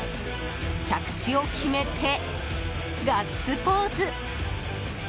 着地を決めて、ガッツポーズ。